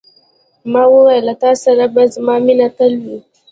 ما وویل، له تا سره به زما مینه تل وي.